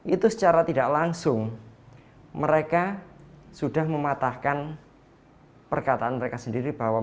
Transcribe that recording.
itu secara tidak langsung mereka sudah mematahkan perkataan mereka sendiri bahwa